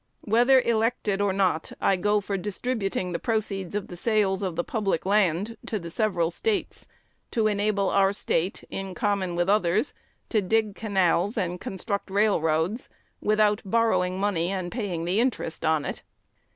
Whether elected or not, I go for distributing the proceeds of the sales of the public lands to the several States, to enable our State, in common with others, to dig canals and construct railroads without borrowing money and paying the interest on it.